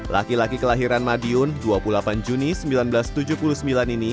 laki laki kelahiran madiun dua puluh delapan juni seribu sembilan ratus tujuh puluh sembilan ini